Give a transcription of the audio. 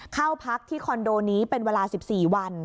เข้าพักที่คอนโดนี้เป็นเวลา๑๔วัน